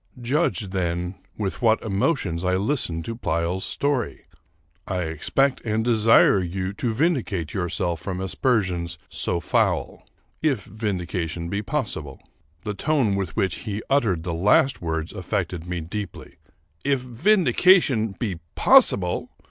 Judge, then, with what emotions I listened to Pleyel's story. I expect and desire you to vindicate yourself from aspersions so foul, if vindication be possible." The tone with which he uttered the last words affected me deeply. "If vindication be possible!"